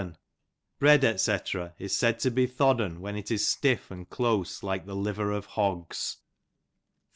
Thodden Bread, &o. is said to he thodd'n when it is stiff and close like the liver of hogs.